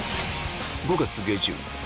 ５月下旬